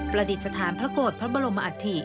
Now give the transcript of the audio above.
ประดิษฐานพระโกรธพระบรมอัฐิ